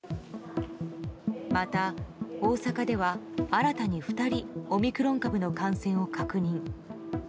また大阪では新たに２人オミクロン株の感染を確認。